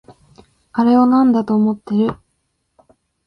あれをなんだと思ってる？